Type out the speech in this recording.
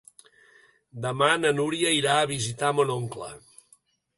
Demà na Núria irà a visitar mon oncle.